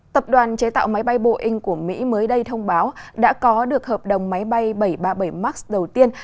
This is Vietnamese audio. tập đoàn chế tạo máy bay boeing của mỹ mới đây thông báo đã có được hợp đồng máy bay bảy trăm ba mươi bảy max đầu tiên